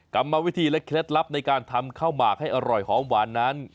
กรรมวิธีและเคล็ดลับในการทำข้าวหมากให้อร่อยหอมหวานนั้น